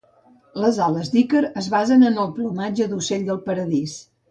Les ales d'Ícar es basen en el plomatge de l'ocell del paradís.